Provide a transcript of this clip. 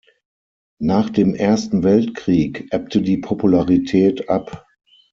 Nach dem Ersten Weltkrieg ebbte die Popularität ab.